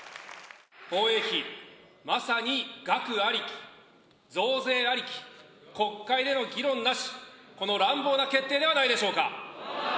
防衛費、まさに額ありき、増税ありき、国会での議論なし、この乱暴な決定ではないでしょうか！